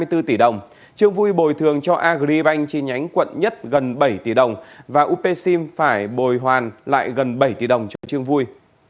trương vui bồi thường cho agribank trên nhánh quận một gần bảy tỷ đồng và upc phải bồi hoàn lại gần bảy tỷ đồng cho trương vui